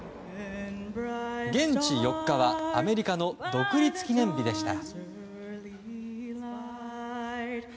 現地４日はアメリカの独立記念日でした。